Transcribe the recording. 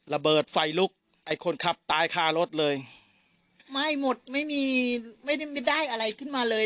ระเบิดไฟลุกไอ้คนขับตายคารถเลยไหม้หมดไม่มีไม่ได้ไม่ได้อะไรขึ้นมาเลย